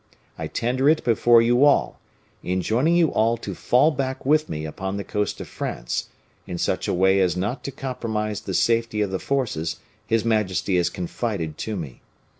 I tender it before you all, enjoining you all to fall back with me upon the coast of France, in such a way as not to compromise the safety of the forces his majesty has confided to me.